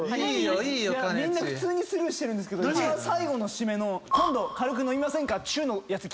みんな普通にスルーしてるんですけど最後の締めの「今度軽く飲みませんかチュ」のやつ。